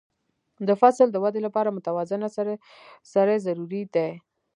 د فصل د وده لپاره متوازنه سرې ضروري دي.